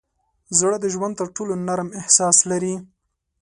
زړه د ژوند تر ټولو نرم احساس لري.